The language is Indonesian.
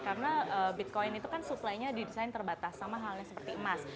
karena bitcoin itu kan supply nya didesain terbatas sama halnya seperti emas